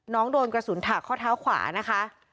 โดนกระสุนถักข้อเท้าขวานะคะ